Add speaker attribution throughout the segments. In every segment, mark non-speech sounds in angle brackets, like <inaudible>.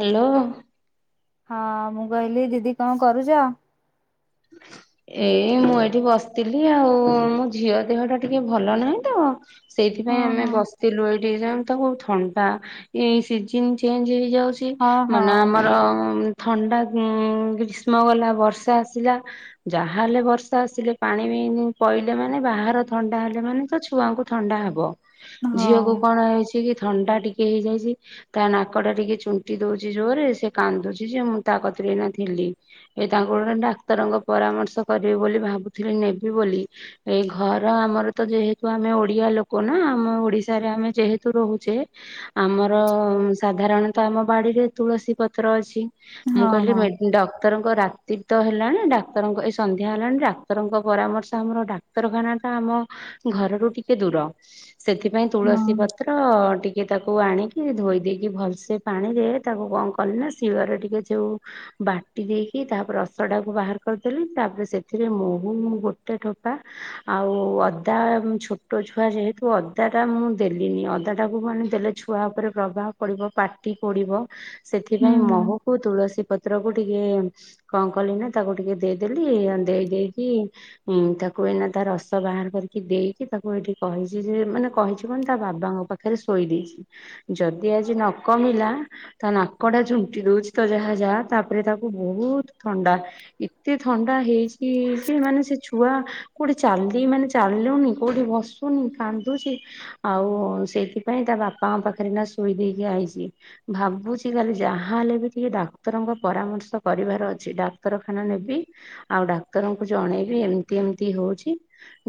Speaker 1: Hello
Speaker 2: ହଁ ମୁଁ କହିଲି ଦିଦି କଣ କରୁଛ?
Speaker 1: ଏଇ ମୁଁ ଏଇଠି ବସିଥିଲି ଆଉ ମୋ ଝିଅ ଦେହ ଟା ଟିକେ ଭଲ ନାହିଁ ତ।
Speaker 2: ହଁ
Speaker 1: ସେଇଥିପାଇଁ ଆମେ
Speaker 2: ହଁ
Speaker 1: ବସିଥିଲୁ, ଏଇଠି ଯଉଁ ତାକୁ ଥଣ୍ଡା ଏଇ ସିଜିନ ଚେଞ୍ଜ ହେଇଯାଉଛି
Speaker 2: ହଁ
Speaker 1: ମାନେ
Speaker 2: ହଁ
Speaker 1: ଆମର ଥଣ୍ଡା ଉଁ ଗ୍ରୀଷ୍ମ ଗଲା ବର୍ଷା ଆସିଲା। ଯାହା ହେଲେ ବର୍ଷା ଆସିଲେ ପାଣି ମେନ୍ ପଇଲେ ମାନେ ବାହାର ଥଣ୍ଡା ହେଲେ ମାନେ ତ ଛୁଆଙ୍କୁ ଥଣ୍ଡା ହବ।
Speaker 2: ହଁ
Speaker 1: ଝିଅକୁ କଣ ହେଇଛି କି ଥଣ୍ଡା ଟିକେ ହେଇଯାଇଛି। ତା ନାକଟା ଟିକେ ଚୁଣ୍ଟି ଦଉଛି ଜୋରରେ ସେ କାନ୍ଦୁଛି ଯେ ମୁଁ ତା କତିରେ ଏଇନା ଥିଲି। ଏ ତାଙ୍କୁ ଗୋଟେ ଡାକ୍ତରଙ୍କ ପରାମର୍ଶ କରିବି ବୋଲି ଭାବୁଥିଲି ନେବି ବୋଲି। ଏଇ ଘର ଆମର ତ ଯେହେତୁ ଆମେ ଓଡିଆ ଲୋକ ନା ଆମ ଓଡିଶାରେ ଆମେ ଯେହେତୁ ରହୁଛେ, ଆମର ସାଧାରଣତଃ ଆମ ବାଡିରେ ତୁଳସୀ ପତ୍ର ଅଛି।
Speaker 2: ହଁ
Speaker 1: ମୁଁ
Speaker 2: ହଁ ହଁ
Speaker 1: କହିଲି ଡକ୍ଟରଙ୍କ ରାତି ତ ହେଲାଣି ଡାକ୍ତର ଡାକ୍ତରଙ୍କ ଏଇ ସନ୍ଧ୍ୟା ହେଲାଣି ଡାକ୍ତରଙ୍କ ପରାମର୍ଶ ଆମର ଡାକ୍ତରଖାନା ତ ଆମ ଘରରୁୁ ଟିକେ ଦୂର ସେଥିପାଇଁ ତୁଳସୀ ପତ୍ ତ୍ର-ଅ-ଅ-ଅ ଟିକେ ତାକୁ ଆଣିକି ଧୋଇ ଦେଇକି ଭଲସେ ପାଣିରେ ତାକୁ କଣ କଲି ନା ଶିଳରେ ଟିକେ ଯୋଉ ବାଟି ଦେଇକି ତାପରେ ରସ ଟାକୁ ବାହାର କରିଦେଲି ତାପରେ ସେଥିରେ ମହୁ ଗୋଟେ ଠୋପା ଆଉ-ଉ-ଉ ଅଦା ଛୋ ଛୋଟ ଛୁଆ ଯେହେତୁ ଅଦାଟା ମୁଁ ଦେଲିନି ଅଦାଟାକୁ ମାନେ ଦେଲେ ଛୁଆ ଉପରେ ପ୍ରଭାବ ପଡ଼ିବ ପାଟି ପୋଡିବ
Speaker 2: ହୁଁ
Speaker 1: ସେଥିପାଇଁ ମହୁକୁୁ ତୁଳସୀ ପତ୍ରକୁ ଟିକେ-ଏ-ଏ-ଏ କଣ କଲି ନା ତାକୁ ଟିକେ ଦେଇଦେଲି ଆ ଦେଇ ଦେଇକି ଉଁ ତାକୁ ଏଇନା ତା ରସ ବାହାର କରିକି ଦେଇକି ତାକୁ ଏଇଠି କହିଛି ଯେ ମାନେ କହିଛି କଣ ତା ବାବାଙ୍କ ପାଖ ଖାଲି ଶୋଇ ଦେଇଛି ଯଦି ଆଜି ନ କମିଲା ତା ନାକ ଟା ଚୁଣ୍ଟି ଦଉଛି ତ ଯାହା ଯାହା ତାପରେ ତାକୁ ବହୁତ ଥଣ୍ଡା। ଏତେ ଥଣ୍ଡା ହେଇଛି ଯେ ମାନେ ସେ ଛୁଆ କୋଉଠି ଚାଲି ମାନେ ଚାଲୁନି କୋଉଠି ବସ୍ ଉନି କାନ୍ଦୁଛି ଆଉ-ଉ-ଉ ସେଇଥିପାଇଁ ତା ବାପାଙ୍କ ପାଖରେ ଏଇନା ଶୋଇ ଦେଇକି ଆଇଛି। ଭାବୁଛି କାଲି ଯାହା ହେଲେ ବି ଟିକେ ଡାକ୍ତରଙ୍କ ପରାମର୍ଶ କରିବାର ଅଛି ଡାକ୍ତର ଖାନା ନେବି ଆଉ ଡାକ୍ତରଙ୍କୁ ଜଣେଇବି ଏମତି ଏମିତି ହଉଛି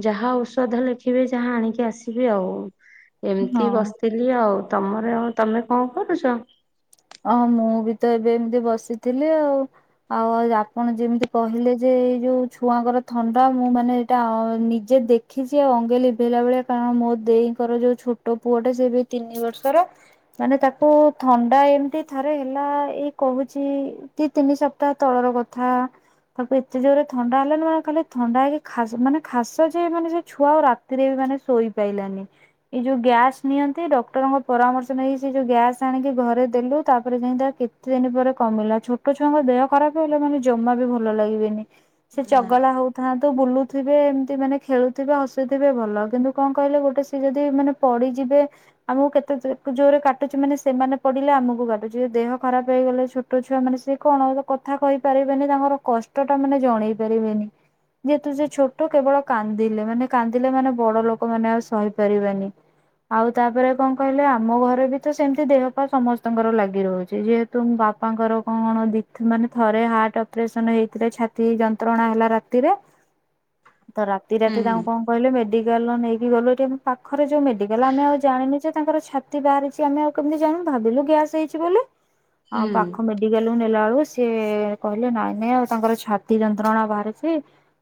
Speaker 1: ଯାହା ଔଷଧ ଲେଖିବେ ଯାହା ଆଣିକି ଆସିବେ ଆଉ।
Speaker 2: ହୁଁ
Speaker 1: ଏମିତି
Speaker 2: ହଁ।
Speaker 1: ବସିଥିଲି ଆଉ। ତମର ତମେ କଣ କରୁଛ?
Speaker 2: ଅ ମୁଁ ବି ତ ଏବେ ଏମିତି ବସିଥିଲି ଆଉ। ଆଉ ଆପଣ ଯେମିତି କହିଲେ ଯେ ଏଇ ଯୋଉ ଛୁଆଙ୍କର ଥଣ୍ଡା ମୁଁ ମାନେ ଏଟା ଅ ନିଜେ ଦେ ଦେଖିଛି ଆଉ ଅଙ୍ଗେ ଲିଭେଇଲା ଭଳିଆ କାରଣ ମୋ ଦେଇଙ୍କର ଯୋଉ ଛୋଟ ପୁଅଟା ସେ ବି ତିନି ବର୍ଷର। ମାନେ ତାକୁ-ଉ-ଉ-ଉ ଥଣ୍ଡା ଏ ଏମିତି ଥରେ ହେଲା-ଆ-ଆ ଏଇ କହୁଛି ଦି ତିନି ସପ୍ତାହ ତଳର କଥା ତାକୁ ଏତେ ଜୋରରେ ଥଣ୍ଡା ହେଲାଣିି ମାନେ ଖାଲି ଥଣ୍ଡା ହେଇକି ଖା ମାନେ ଖାସ ଯେ ମାନେ ସେ ଛୁଆ ଆଉ ରା ତିରେ ବି ମାନେ ଶୋଇପାଇଲାନି। ଏଇ ଯୋଉ ଗ୍ୟାସ ନିଅନ୍ତି ଡକ୍ଟରଙ୍କ ପରାମର୍ଶ ନେଇକି ସେ ଯୋଉ ଗ୍ୟାସ ଆଣିକି ଘରେ ଦେଲୁ। ତାପରେ ଯାଇ ତା କେତେ ଦିନ ପରେ କମିଲା। ଛୋଟ ଛୁଆଙ୍କ ଦେହ ଖରାପ ହେଲେ ମାନେ ଜମା ବି ଭଲ ଲାଗିବେନି। ସେ
Speaker 1: ନା
Speaker 2: ଚଗଲା ହଉଥାନ୍ତୁ ବୁଲୁଥିବେ ଏମିତି ମାନେ ଖେଳୁଥିବେ ହସୁଥିବେ ଭଲ କିନ୍ତୁ କଣ କହିଲେ ଗୋଟେ ସିଏ ଯଦି ମାନେ ପଡିଯିବେ ଆମକୁ କେତେ ଜୋ ଜୋରରେ କାଟୁଛି ମାନେ ସେମାନେ ପଡିଲେ ଆମକୁ କାଟୁ ଯେ ଦେହ ଖରାପ ହେଇଗଲେ ଛୋଟ ଛୁଆ ମାନେ ସେ କଣ କଥା କହିପାରିବେନି ତାଙ୍କର କଷ୍ ଟ ଟା ମାନେ ଜଣେଇ ପାରିବେନି। ଯେହେତୁ ସେ ଛୋଟ କେବଳ କାନ୍ଦିଲେ ମାନେ କାନ୍ଦିଲେ ମାନେ ବଡ ଲୋକମାନେ ଆଉ ସହିପାରିବେନି। ଆଉ ତାପରେ କଣ କହିଲେ ଆମ ଘରେ ବି ତ ସେମିତି ଦେହପା ସମସ୍ତଙ୍କର ଲାଗେ ଦିହ ହଉଚି ଯେହେତୁ ମୋ ବାପାଙ୍କର କଣ ଦି ଥ ମାନେ ଥରେ ହାର୍ଟ ଅପରେସନ ହେଇଥିଲା ଛା ତି ଯନ୍ତ୍ରଣା ହେଲା ରାତିରେ ତ ରାତି ରାତି
Speaker 1: ହୁଁ।
Speaker 2: ତାଙ୍କୁ କଣ କହିଲେ ମେଡିକାଲ ନ ନେଇକି ଗଲୁ ଏଠି ଆମ ପାଖରେ ଯୋଉ ମେଡିକାଲ ଆମେ ଆଉ ଜାଣିନୁ ଯେ ତାଙ୍କର ଛା ତି ବାହାରିଛି ଆମେ ଆଉ କେମିତି ଜାଣିବୁ ଭାବିଲୁ ଗ୍ୟାସ୍ ହେଇଛି ବୋଲି ଆଉ
Speaker 1: ହୁଁ
Speaker 2: ପାଖ ମେଡ଼ ଡିକାଲକୁ ନେଲା ଏଳକୁ ସିଏ-ଏ-ଏ କହିଲେ ନାଇଁ ନାଇଁ ଆଉ ତାଙ୍କର ଛାତି ଯନ୍ତ୍ରଣା ବାହାରିଚି।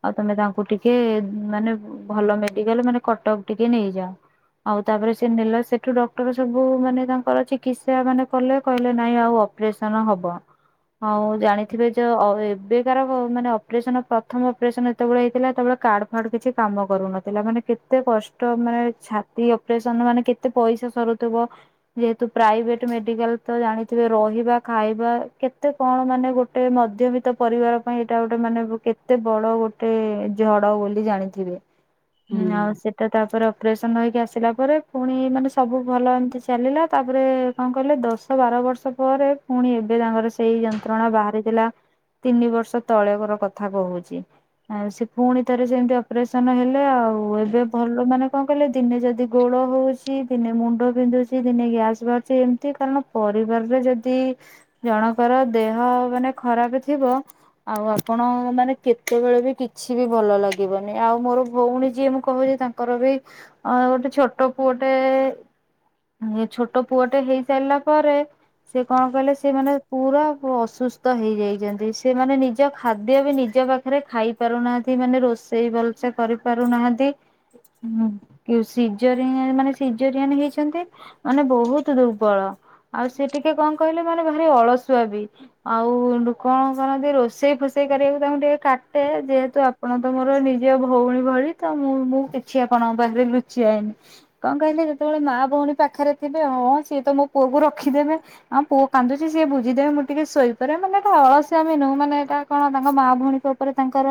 Speaker 2: ଆଉ ତମେ ତାଙ୍କୁ ଟିକେ-ଏ-ଏ-ଏ ମାନେ ଭଲ ମେଡିକାଲ ମାନେ କଟକ ଟିକେ ନେଇଯା। ଆଉ ତାପରେ ସେ ନେଲା ସେଠୁ ଡକ୍ଟର ସବୁ-ଉ-ଉ ମାନେ ତାଙ୍କର ଚିକିତ୍ସା ମାନେ କଲେ କହିଲେ ନାଇଁ ଆଉ ଅପରେସନ ହବ ଆଉ ଜାଣିଥିବେ ଯେ ଅ ଏବେ ଯାର ଅ ମାନେ ଅପରେସନ ପ୍ରଥମ ଅପରେସନ ଯେତେବେଳେ ହେଇଥିଲା ସେତେବେଳେ କାର୍ଡ ଫାଡ କିଛି କାମ କରୁନଥିଲା ମାନେ କେତେ କଷ୍ ଷ୍ଟ ମାନେ ଛାତି ଅପରେସନ ମାନେ କେତେ ପଇସା ସରୁଥିବ ଯେହେତୁ ପ୍ରାଇଭେଟ ମେଡ଼ ମେଡିକାଲ ତ ଜାଣିଥିବେ ରହିବା ଖାଇବା କେତେ କଣ ମାନେ ଗୋଟେ ମଧ୍ୟବିତ୍ତ ପରିବାର ପାଇଁ ଏଟା ଗୋଟେ ମାନେ କେତେ ବଡ ଗୋଟେ-ଏ-ଏ-ଏ ଝଡ ବୋଲି ଜାଣିଥିବେ। ହୁଁ ଆଉ ସେ ତ ତାପରେ ଅପରେସନ ହେଇକି ଆସିଲା ପରେ ଫୁଣି ମାନେ ସବୁ ଭଲ ଏମିତି ଚାଲିଲା ତାପରେ କଣ କହିଲେ ଦଶ ବାର ବର୍ଷ ପରେ ଫୁଣି ଏବେ ତାଙ୍କର ସେଇ ଯନ୍ତ୍ରଣା ବାହାରିଥିଲା। ତିନି ବର୍ଷ ତଳେକର କଥା କୋହୁଚି। ଏଁ ସେ ଫୁଣି ଥରେ ସେମିତି ଅପରେସନ ହେଲେ ଆଉ ଏବେ ଭଲ ମାନେ କଣ କହିଲେ ଦିନେ ଯଦି ଗୋଡ଼ ହୋଉଚି ଦିନେ ମୁଣ୍ଡ ବିନ୍ଧୁଚି ଦିନେ ଗ୍ୟାସ ବାହାରୁଚି। ଏମ ଏତେ କାରଣ ପରିବାରରେ ଯଦି ଜଣଙ୍କର ଦେହ ମାନେ ଖରାପ ଥିବ ଆଉ ଆପଣ ମାନେ କେତେବେଳେ ବି କିଛି ବି ଭଲ ଲାଗିବନି। ଆଉ ମୋର ଭଉଣୀ ଯିଏ ମୁଁ କୋହୁଚି ତାଙ୍କ ତାଙ୍କର ବି ଅ ଗୋଟେ ଛୋଟ ପୁଅଟେ ଇ ଛୋଟ ପୁଅଟେ ହେଇଶ୍ ହେଇ ସାରିଲା ପରେ ସିଏ କଣ କଲେ ସିଏମାନେ ପୁରା ଅସୁସ୍ ତ ହେଇଯାଇଚନ୍ତି ସେମାନେ ନି ନିଜ ଖାଦ୍ୟ ବି ନିଜ ପାଖରେ ଖାଇ ପାରୁନାହାନ୍ତି ମାନେ ରୋଷେଇ ଭଲସେ କରିପାରୁନାହାନ୍ତି। ହୁଁ ସିଜରିଂ ମାନେ ସିଜରିଆନ ହେଇଚନ୍ତି ମାନେ ବୋହୁତ ଦୁର୍ ବଳ ଆଉ ସେ ଟିକେ କଣ କହିଲେ ମାନେ ଭାରି ଅଳସୁଆ ବି ଆଉ କଣ କରନ୍ତିି ରୋଷେଇ ଫୋଷେଇ କରିବାକୁ ତାଙ୍କୁ ଟିକେ କାଟେ ଯେହେତୁ ଅପ୍ ଆପଣ ତ ମୋର ନିଜ ଭୋଉଣୀ ଭଳି ତ ମୁଁ ମୁଁ କିଛି ଆପଣଙ୍କ ପାଖରେ ଲୁଚାଏନି। କଣ କହିଲେ ଯେତେବେଳେ ମା ଭୋଉଣୀ ପାଖରେ ଥିବେ ହଁ ସିଏ ତ ମୋ ପୁଅକୁ ରଖିଦେବେ। ଆମ ପୁଅ କାନ୍ଦୁଚି ସିଏ ବୁଝିଦେବେ ମୁଁ ଟିକେ ଶୋଇପାରେ ମାନେଟା ଅଳସଆମ ନୁହୁଁ ମାନେ ଏଇଟା କଣ ତାଙ୍କ ମା ଭୋଉଣୀଙ୍କ ଉପରେ ତାଙ୍କର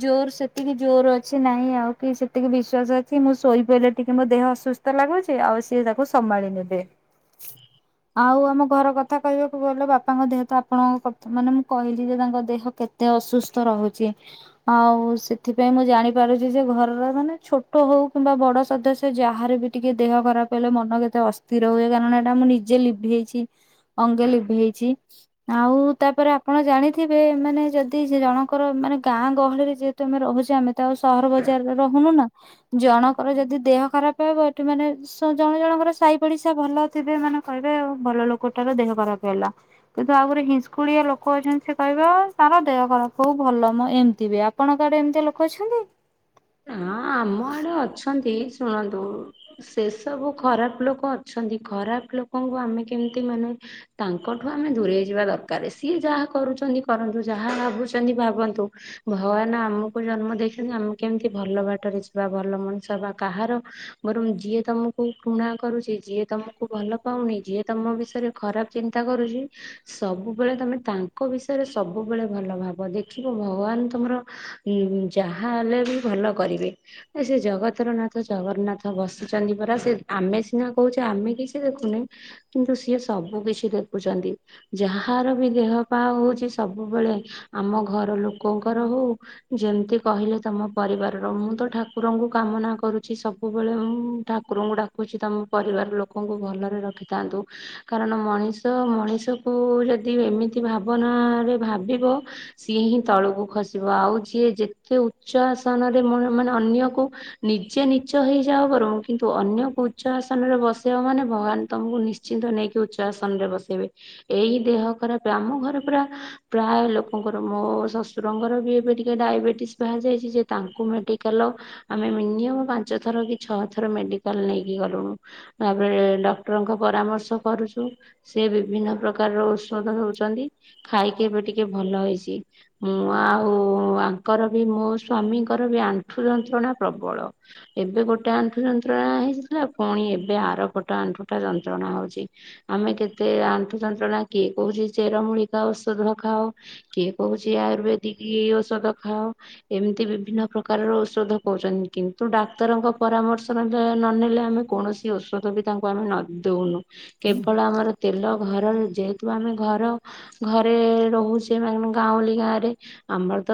Speaker 2: ଜୋର ସେତିକି ଜୋର ଅଛି ନହିଁ ଆଉ କି ସେତିକି ବିଶ୍ଵାସ ଅଛି ମୁଁ ଶୋଇପଇଲେ ଟିକେ ମୋ ଦେହ ଅସୁସ୍ ସ୍ଥ ଲାଗୁଚି ଆଉ ସିଏ ତାକୁ ସମାଳି ନେବେ। <inaudible> ଆଉ ଆମ ଘର କଥା କହିବାକୁ ଗଲେ ବାପାଙ୍କ ଦେହ ତ ଆପଣଙ୍କ କଥା ମାନେ ମୁଁ କହିଲି ଯେ ତାଙ୍କ ଦେହ କେ ଅସୁସ୍ଥ ରୋହୁଚି। ଆଉ ସେଥିପାଇଁ ମୁଁ ଜାଣିପାରୁଚି ଯେ ଘରର ମାନେ ଛୋଟ ହୋଉ କିମ୍ବା ବଡ ସଦସ୍ୟ ଯାହାର ବି ଟିକେ ଦେହ ଖରାପ ହେଲେ ମନ କେତେ ଅସ୍ଥିର ହୁଏ କାରଣ ଏଇଟା ମୁଁ ନିଜେ ଲିଭେଇଚି। ଅଙ୍ଗେ ଲିଭେଇଛି। ଆଉ ତାପରେ ଆପଣ ଜାଣିଥିବେ ମାନେ ଯଦି ସେ ଜଣଙ୍କର ମାନେ ଗାଁ ଗହଳିରେ ଯେ ହେତୁ ଆମେ ରୋହୁଚୁ ଆମେ ତ ଆଉ ସହର ବଜାରରେ ରୋହୁନୁ ନା ଜଣଙ୍କର ଯଦି ଦେହ ଖରାପ ବା ବଠୁ ମାନେ ଶ୍ ଜଣେ ଜଣଙ୍କର ସାହି ପଡିଶା ଭଲ ଥିବେ ମାନେ କହିବେ ଭଲ ଲୋକଟାର ଦେହ ଖରାପ ହେଲା। କିନ୍ତୁ ଆହୁରି ହିଂସ୍କୁଳିଆ ଲୋକ ଅଛନ୍ତି ସେ କହିବ ତାର ଦେହ ଖରାପ ହୋଉ ଭଲ ମ ଏମିତି ବି ଆପ ପଣଙ୍କ ଆଡେ ଏମତିଆ ଲୋକ ଅଛନ୍ତି?
Speaker 1: ହଁ ଆମ ଆଡେ ଅଛନ୍ତି ଶୁଣନ୍ତୁ ସେ ସବୁ ଖରାପ ଲୋକ ଅଛନ୍ତି ଖରାପ ଲୋକଙ୍କୁ ଆମେ କେମିତି ମାନେ ତାଙ୍କଠୁ ଆମେ ଦୂରେଇ ଯିବା ଦରକାର ସିଏ ଯାହା କରୁଚନ୍ତି କରନ୍ତୁ ଯାହା ଭାବୁଚନ୍ତି ଭାବନ୍ତୁ। ଭଗବାନ ଆମକୁ ଜନ୍ମ ଦେଇଚନ୍ତି ଆମକୁ କେମିତି ଭଲ ବାଟରେ ଯିବା ଭଲ ମଣିଷ ହେବା। କାହାର ବରଂ ଯିଏ ତମକୁ ପୃଣା କରୁଚି ଯିଏ ତମକୁ ଭଲ ପାଉନି ଯିଏ ତମ ବିଷୟରେ ଖରାପ ଚିନ୍ତା କରୁଚି ସବୁବେଳେ ତମେ ତାଙ୍କ ବିଷୟରେ ସବୁବେଳେ ଭଲ ଭାବ ଦେଖିବ ଭଗବାନ ତମର ଉଁ ଯାହା ହେଲେ ବି ଭଲ କରିବେ। ସେ ଜଗତରନାଥ ଜଗନ୍ନାଥ ବସିଚନ୍ତି ପରା ସେ ଆମେ ସିନା କୋହୁଚେ ଆମେ କିଛି ଦେଖୁନେ କିନ୍ତୁ ସିଏ ସବୁ କିଛି ଦେଖୁଚନ୍ତି। ଯାହାର ବି ଦେହ ପା ହୋଉଚି ସବୁବେଳେ ଆମ ଘର ଲୋକଙ୍କର ହୋଉ ଯେମତି କହିଲେ ତମ ପରିବାରର ମୁଁ ତ ଠାକୁରଙ୍କୁ କାମନା କରୁଛି ସବୁବେଳେ ମୁଁ ଠାକୁରଙ୍କୁ ଡାକୁ କୁଛି ତମ ପରିବାର ଲୋକଙ୍କୁ ଭଲରେ ରଖିଥାନ୍ତୁ। କାରଣ ମଣିଷ ମଣିଷକୁ ଯଦି ଏମିତି ଭାବନା ରେ ଭାବିବ ସିଏ ହିଁ ତଳକୁ ଖସିବ ଆଉ ଯିଏ ଯେତେ ଉଚ୍ଚ ଆସନରେ ମ ମାନେ ଅନ୍ୟକୁ ନିଜେ ନୀଚ ହେଇଯାଅ ବରଂ କିନ୍ତୁ ଅନ୍ୟକୁ ଉଚ୍ଚ ଆସନରେ ବସେଇବ ମାନେ ଭଗବାନ ତମକୁ ନିଶ୍ ନିଶ୍ଚିନ୍ତ ନେଇକି ଉଚ୍ଚ ଆସନ୍ ରେ ବସେଇବେ। ଏହି ଦେହ ଖରାପେ ଆମ ଘରେ ପରା ପ୍ରାୟ ଲୋକଙ୍କର ମୋ ଶଶୁରଙ୍କର ବି ଏବେ ଟିକେ ଡାଇବେଟିସ ବାହାର‌୍ ଯାଇଛି ଯେ ତାଙ୍କୁ ମେଡ଼ିକାଲ ଆମେ ମିନିମମ ପାଞ୍ଚ ଥର କି ଛଅ ଥର ମେଡ଼ିକାଲ ନେଇକି ଗଲୁଣୁ। ତାପରେ ଡକ୍ଟରଙ୍କ ପରାମର୍ଶ କରୁଛୁ। ସେ ବିଭିନ୍ନ ପ୍ରକାରର ଔଷଧ ଦଉଛନ୍ତି। ଖାଇକି ଏବେ ଟିକେ ଭଲ ହେଇଛି। ମୁଁ ଆଉ ଆଙ୍କର ବି ମୋ ସ୍ଵାମୀଙ୍କର ବି ଆଣ୍ଠୁ ଯନ୍ତ୍ରଣା ପ୍ରବଳ। ଏବେ ଗୋଟେ ଆଣ୍ଠୁ ଯନ୍ତ୍ରଣା ହେଇ <unintelligible> ଥିଲା ପୁଣି ଏବେ ଆର ପଟ ଆଣ୍ଠୁ ଟା ଯନ୍ତ୍ରଣା ହଉଛି। ଆମେ କେତେ ଆଣ୍ଠୁ ଯନ୍ତ୍ରଣା କିଏ କହୁଛି ଚେରମୂଳି ଖାଅ ଓଷଧ ଖାଅ କିଏ କହୁଛି ଆୟୁର୍ବେଦିକି ଓଷଧ ଖାଅ। ଏମତି ବିଭିନ୍ନ ପ୍ରକାରର ଔଷଧ କହୁଛନ୍ତି କିନ୍ତୁ ଡାକ୍ତରଙ୍କ ପରାମର୍ଶ ନ ନେଲେ ଆମେ କୌଣସି ଓଷଧ ବି ତାଙ୍କୁ ଆମେ ନ ଦଉନୁ କେବଳ ଆମର ତେଲ <unintelligible> ଯେହେତୁ ଆମେ ଘର ଘରେ ରହୁଛେ ମେନ ଗାଁଉଁଲି ଗାଁରେ ଆମର ତ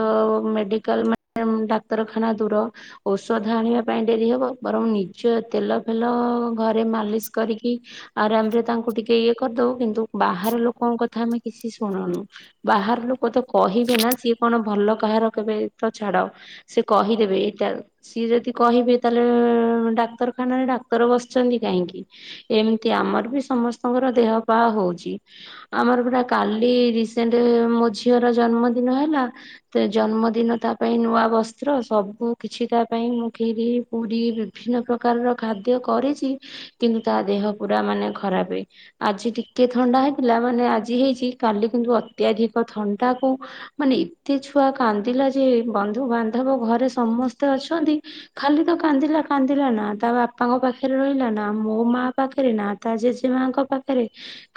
Speaker 1: ମେଡ଼ି <unintelligible> ଡାକ୍ତରଖାନା ଦୂର ଓଷଧ ଆଣିବା ପାଇଁ ଡେରି ହବ ବରଂ ନିଜେ ତେଲ ଫେଲ ଘରେ ମାଲିସ୍ କରିକି ଆରାମ ରେ ତାଙ୍କୁ ଟିକେ ଇଏ କରିଦବୁ କିନ୍ତୁ ବାହାର ଲୋକଙ୍କ କଥା ଆମେ କିଛି ଶୁଣୁନୁ। ବାହାର ଲୋକ ତ କହିବେ ନା ସିଏ କଣ ଭଲ କାହାର କେବେ ତ ଛାଡ଼। ସେ କହିଦେବେ ଏଇଟା ସିଏ ଯଦି କହିବେ ତାହେଲେ ଡାକ୍ତରଖାନାରେ ଡାକ୍ତର ବସଛନ୍ତି କାହିଁକି। ଏମତି ଆମର ବି ସମସ୍ତଙ୍କର ଦେହ ପା ହଉଚି। ଆମର ପରା କାଲି ରିସେଣ୍ଟ ମୋ ଝିଅର ଜନ୍ମଦିନ ହେଲା ତ ଜନ୍ମଦିନ ତା ପାଇଁ ନୂଆ ବସ୍ତ୍ର ସବୁ କିଛି ତା ପାଇଁ ମୁଁ କ୍ଷୀରି ପୁରୀ ବିଭିନ୍ନ ପ୍ର ପ୍ରକାରର ଖାଦ୍ୟ କରିଛି କିନ୍ତୁ ତା ଦେହ ପୁରା ମାନେ ଖରାପ ହେଇ ଆଜି ଟିକେ ଥଣ୍ଡା ହେଇଥିଲା ମାନେ ଆଜି ହେଇଛି କାଲି କିନ୍ତୁ ଅତ୍ୟାଧିକ ଥଣ୍ଡାକୁ ମାନେ ଏତେ ଛୁଆ କାନ୍ଦିଲା ଯେ ବନ୍ଧୁ ବାନ୍ଧବ ଘରେ ସମସ୍ତେ ଅଛନ୍ତି ଖାଲି ତ କାନ୍ଦିଲା କାନ୍ଦିଲା ନା ତା ବାପାଙ୍କ ପାଖରେ ରହିଲା ନା ମୋ ମା ପାଖରେ ନା ତା ଜେଜେ ମାଙ୍କ ପାଖେରେ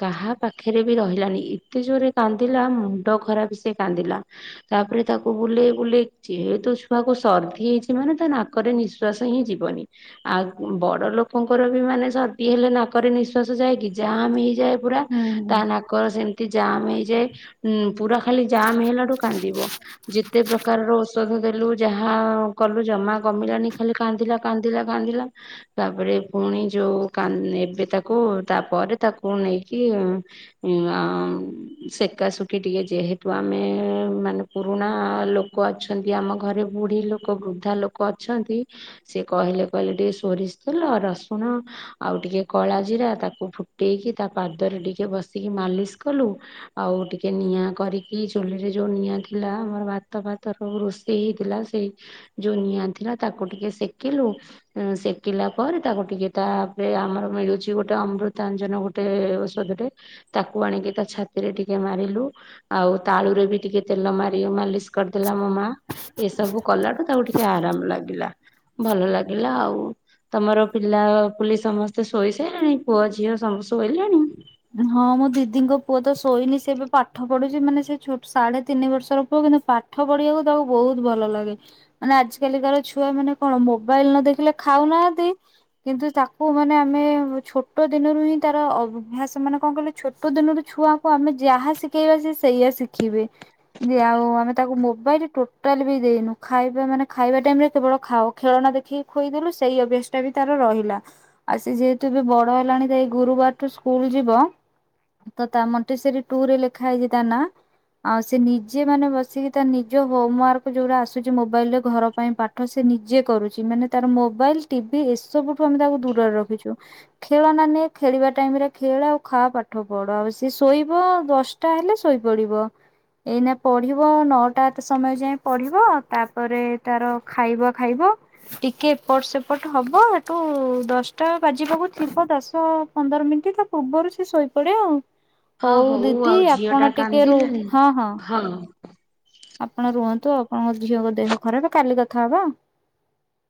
Speaker 1: କାହା ପାଖେରେ ବି ରହିଲାନି ଏତେ ଜୋରେ କାନ୍ଦିଲା ମୁଣ୍ଡ ଖରାପ ସେ କାନ୍ଦିଲା। ତାପରେ ତାକୁ ବୁଲେଇ <unintelligible> ଏ ତୋ ଛୁଆକୁ ସର୍ଦ୍ଦି ହେଇଛି ମାନେ ତା ନାକରେ ନିଶ୍ଵାସ ହିଁ ଯିବନି। ଆଉ ବଡ ଲୋକଙ୍କର ବି ମାନେ ସର୍ଦି ହେଲେ ନାକରେ ନିଶ୍ଵାସ ଯାଏକି ଜାମ ହେଇଯାଏ
Speaker 2: ହୁଁ
Speaker 1: <unintelligible>
Speaker 2: ହୁଁ
Speaker 1: ତା ନାକର ସେମତି ଜାମ ହେଇଯାଏ ଉଁ ପୁରା ଖାଲି ଜାାମ ହେଲାଠୁ କାନ୍ଦିବ ଯେ ପ୍ରକାରର ଓଷଧ ଦେଲୁ ଯାହା କଲୁ ଜମା କମିଲାନି ଖାଲି କାନ୍ଦିଲା କାନ୍ଦିଲା କାନ୍ଦିଲା ତାପରେ ପୁଣି ଯୋଉ କାନ୍‌ ଏବେ ତାକୁ ତାପରେ ତାକୁ ନେଇକି ଉଁ ଉଁ ଅଁ ସେକାସୁଖି ଟିକେ ଯେହେତୁ ଆମେ ମାନେ ପୁରୁଣା ଲୋକ ଅଛନ୍ତି ଆମ ଘରେ ବୁଢୀ ଲୋକ ବୃଦ୍ଧା ଲୋକ ଅଛନ୍ତି ସିଏ କହିଲେ କହିଲେ ଟିକେ ସୋରିଷ ତେଲ, ରସୁଣ ଆଉ ଟିକେ କଳା ଜିରା, ତାକୁ ଫୁଟେଇକି ତା ପାଦରେ ଟିକେ ବସିକି ମାଲିସ କଲୁ ଆଉ ଟିକେ ନିଆଁ କରିକି, ଚୁଲିରେ ଯୋଉ ନିଆଁ ଥିଲା, ଆମର ଭାତ ତ ଫାତର ସବୁ ରୋଷେଇ ହେଇଥିଲା, ସେଇ ଯୋଉ ନିଆଁ ଥିଲା ତାକୁ ଟିକେ ସେକିଲୁ ଉମ୍ ସେକିଲା ପରେ, ତାକୁ ଟିକେ ତାପରେ ଆମର ମିଳୁଛି ଗୋଟେ ଅମୃତାଞ୍ଜନ ଗୋଟେ ଗୋଟେ ଔଷଧଟେ ତାକୁ ଆଣିକି ତା ଛାତିରେ ଟିକେ ମାରିଲୁ, ଆଉ ତାଳୁରେ ବି ଟିକେ ତେଲ ମାରି ମାଲିସ୍ କରିଦେଲା ମୋ ମା, ଏସବୁ କଲାଠୁ ତାକୁ ଟିକେ ଆରାମ ଲାଗିଲା। ଭଲ ଲାଗିଲା ଆଉ। ତମର ପିଲା ପୁଲି ସମସ୍ତେ ଶୋଇ ସାଇଲେଣି? ପୁଅ ଝିଅ ସବୁ ଶୋଇଲେଣି?
Speaker 2: ହଁ, ମୋ ଦିଦିଙ୍କ ପୁଅ ତ ଶୋଇନି ସେ ଏବେ ପାଠ ପଢୁଛି, ମାନେ ସେ ଛୋଟ ସାଢେ ତିନି ବର୍ଷର ପୁଅ କିନ୍ତୁ ପାଠ ପାଠ ପଢିବାକୁ ତାକୁ ବହୁତ ଭଲ ଲାଗେ। ମାନେ ଆଜିକାଲି ଧର ଛୁଆମାନେ କଣ ମୋବାଇଲ ନ ଦେଖିଲେ ଖାଉନାହାନ୍ତି କିନ୍ତୁ ତାକୁ ମାନେ ଆମେ ଛୋଟ ଦିନରୁ ହିଁ ତାର ଅଭ୍ୟାସ ସେମାନେ କଣ କହିଲେ, ଛୋଟ ଦିନରୁ ଛୁଆଙ୍କୁ ଆମେ ଯାହା ଶିଖେଇବା, ସେ ସେଇଆ ଶିଖିବେ। ଯଦି ଆଉ ଆମେ ତାକୁ ମୋବାଇଲ ଟୋଟାଲ ବି ଦେଇନୁ। ଖାଇବା ମାନେ ଖାଇବା ଟାଇମରେ କେବଳ ଖାଅ ଖେଳନା ଦେଖିକି ଖୋଇଦେଲୁ, ସେଇ ଅଭ୍ୟାସଟା ବି ତାର ରହିଲା। ଆଉ ସେ ଯେହେତୁ ଏବେ ବଡ ହେଲାଣି ତ ଏଇ ଗୁରୁବାରଠୁ ସ୍କୁଲ ଯିବ ତ ତା ମଣ୍ଟେସେରୀ ଟୁ ରେ ଲେଖା ହେଇଛି ତା ନା ଆଉ ସେ ନିଜେ ମାନେ ବସିକି ତା ନିଜ ହୋମୱାର୍କ ଯୋଉରା ଆସୁଛି ମୋବାଇଲରେ ଘର ପାଇଁ ପାଠ ପାଠ ସେ ନିଜେ କରୁଛି, ମାନେ ତାର ମୋବାଇଲ, ଟିଭି ଏସବୁଠୁ ଆମେ ତାକୁ ଦୂରରେ ରଖିଛୁ। ଖେଳନା ନେ ଖେଳିବା ଟାଇମରେ ଖେଳ ଆଉ ଖା ପାଠ ପଢ। ଆଉ ସିଏ ଶୋଇବ, ଆଉ ଦଶଟା ହେଲେ ଶୋଇପଡିବ। ଏଇନା ପଢିବ ଆଉ ନଅଟା ଏତେ ସମୟ ଯାଇଁ ପଢିବ, ଆଉ ତାପରେ ତାର ଖାଇବା ଖାଇବ ଟିକେ ଏପଟ ସେପଟ ହବ, ଏଠୁ ଦଶଟା ବାଜିବାକୁ ଥିବ ଦଶ ପନ୍ଦର ମିନ୍ଟି ତ ତା ପୂର୍ବରୁ ସେ ଶୋଇପଡେ ଆଉ।
Speaker 1: ହଁ
Speaker 2: ହଉ ଦିଦି
Speaker 1: ଆଉ ଝିଅ ଟା
Speaker 2: ଆପଣ ଟିକେ ରୁ
Speaker 1: କାନ୍ଦିଲାଣି
Speaker 2: ହଁ ହଁ।
Speaker 1: ହଁ।
Speaker 2: ଆପଣ ରୁହନ୍ତୁ, ଆପଣଙ୍କ ଝିଅଙ୍କ ଦେହ ଖରାପ କାଲି କଥା ହବା ଆଉ।